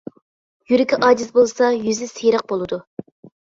يۈرىكى ئاجىز بولسا يۈزى سېرىق بولىدۇ.